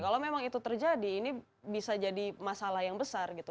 kalau memang itu terjadi ini bisa jadi masalah yang besar gitu